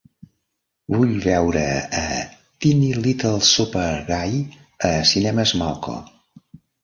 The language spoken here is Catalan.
Vull veure a Teeny Little Super Guy a Cinemes Malco.